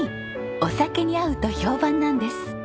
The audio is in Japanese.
お酒に合うと評判なんです。